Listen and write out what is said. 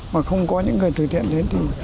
mà không có những người từ thiện đến